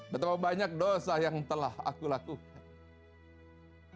betapa banyak dosa yang telah aku lakukan